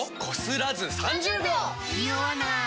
ニオわない！